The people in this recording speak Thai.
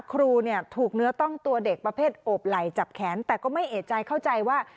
ครูเนี่ยถูกเนื้อต้องตัวเด็กประเภทโอบไหล่จับแขนแต่ก็ไม่เอกใจเข้าใจว่า